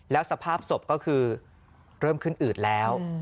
แล้วสภาพศพก็คือเริ่มขึ้นอืดแล้ว